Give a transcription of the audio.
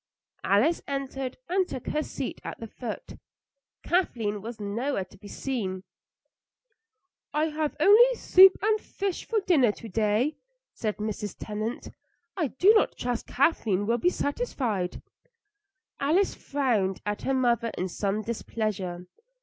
Alice entered and took her seat at the foot. Kathleen was nowhere to be seen. "I have only soup and fish for dinner to day," said Mrs. Tennant. "I do trust Kathleen will be satisfied." Alice frowned at her mother in some displeasure.